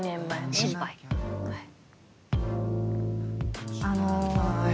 はい。